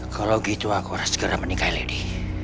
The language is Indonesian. kalau gitu aku harus segera menikahi lady